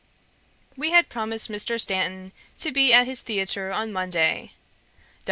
We had promised Mr. Stanton to be at his theatre on Monday. Dr.